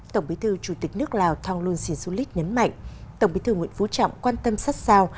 tổng bí thư chủ tịch nước lào thong lun sinh sulit nhấn mạnh tổng bí thư nguyễn phú trọng quan tâm sát sao